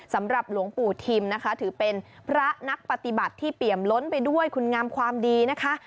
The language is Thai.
สำหรับหลวงปู่ทิมนะคะถือเป็นพระนักปฏิบัติที่เปี่ยมล้นไปด้วยคุณงามความดีนะคะ